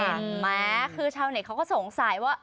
เห็นไหมคือชาวเน็ตเขาก็สงสัยว่า